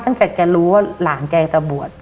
ตั้งแต่แกรู้ว่าหลานแกจะบวช